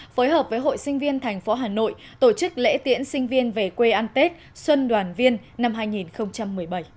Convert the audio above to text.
phối hợp với hội sinh viên thành phố hà nội tổ chức lễ tiễn sinh viên về quê ăn tết xuân đoàn viên năm hai nghìn một mươi bảy